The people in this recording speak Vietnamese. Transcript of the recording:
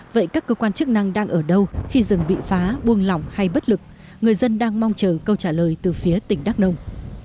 vậy các cơ quan chức năng đang ở đâu khi rừng bị phá buông lỏng hay bất lực người dân đang mong chờ câu trả lời từ phía tỉnh đắk nông